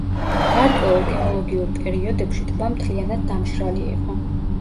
გარკვეულ გეოლოგიურ პერიოდებში ტბა მთლიანად დამშრალი იყო.